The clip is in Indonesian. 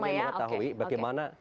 kita ingin mengetahui bagaimana